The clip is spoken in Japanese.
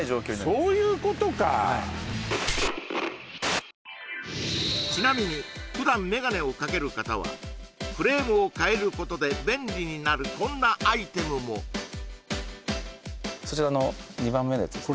そういうことかはいちなみに普段メガネをかける方はフレームを変えることで便利になるこんなアイテムもそちらの２番目のやつです